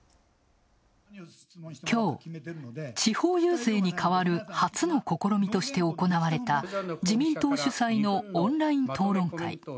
きょう、地方遊説に変わる初の試みとして行われた自民党主催のオンライン討論会。